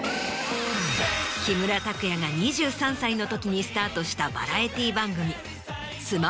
木村拓哉が２３歳のときにスタートしたバラエティー番組。